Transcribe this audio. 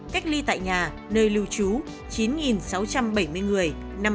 cách ly tại nhà nơi lưu trú chín sáu trăm bảy mươi người